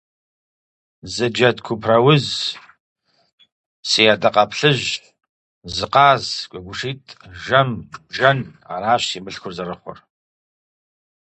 Зы джэд купрауз, сы адакъэплъыжь, зы къаз, гуэгушитӏ, жэм, бжэн, аращ си мылъкур зэрыхъур.